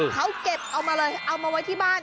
เขาเก็บเอามาเลยเอามาไว้ที่บ้าน